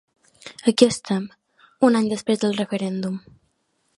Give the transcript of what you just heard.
Aquí estem, un any després del referèndum.